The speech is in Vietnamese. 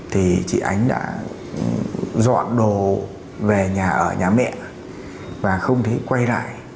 thì chị ánh đã dọn đồ về nhà ở nhà mẹ và không thấy quay lại